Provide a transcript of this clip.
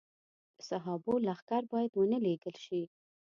د صحابو لښکر باید ونه لېږل شي.